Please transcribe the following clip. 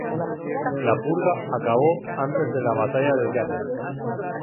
La purga acabó antes de la Batalla de Yavin.